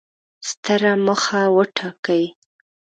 ستره موخه وټاکئ!